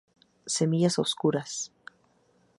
Semillas oscuras.